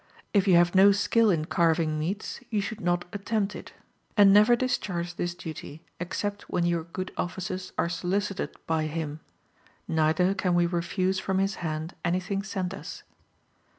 If you have no skill in carving meats, you should not attempt it; and never discharge this duty except when your good offices are solicited by him; neither can we refuse from his hand anything sent us.